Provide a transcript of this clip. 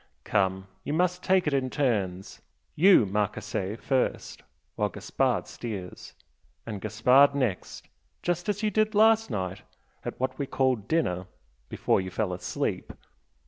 Come you must take it in turns you, Marchese, first, while Gaspard steers and Gaspard next just as you did last night at what we called dinner, before you fell asleep!